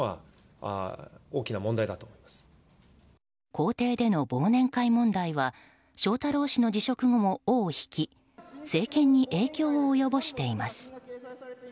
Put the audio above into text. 公邸での忘年会問題は翔太郎氏の辞職後も尾を引き政権に影響を及ぼしています。